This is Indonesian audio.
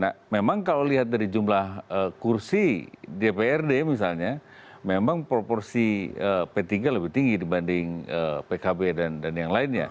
nah memang kalau lihat dari jumlah kursi dprd misalnya memang proporsi p tiga lebih tinggi dibanding pkb dan yang lainnya